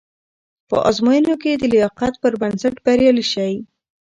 په ازموینو کې د لایقت پر بنسټ بریالي شئ.